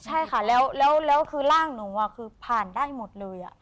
ใช่ค่ะแล้วคือร่างหนูคือผ่านได้หมดเลย